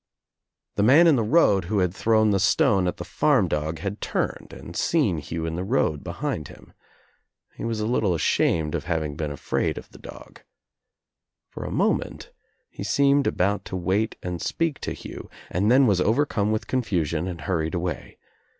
The man in the road who had thrown the stone at the farm dog had turned and seen Hugh in the road behind him. He was a little ashamed of having been afraid of the dog. For a moment he seemed about to wait and speak to Hugh, and then was overcome with confusion and hurried away.